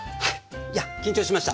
いや緊張しました。